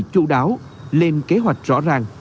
chủ đáo lên kế hoạch rõ ràng